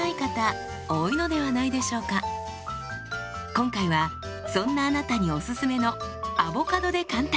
今回はそんなあなたにおすすめのアボカドで簡単！